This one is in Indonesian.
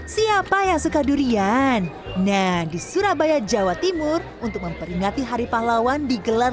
siapa yang suka durian nah di surabaya jawa timur untuk memperingati hari pahlawan digelar